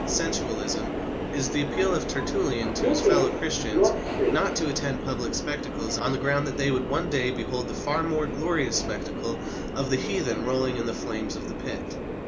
sensualism, is the appeal of Tertullian to his fellow Christians not to attend public spectacles on the ground that they would one day behold the far more glorious spectacle of the heathen rolling in the flames of the Pit.